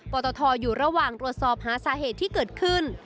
ตทอยู่ระหว่างตรวจสอบหาสาเหตุที่เกิดขึ้น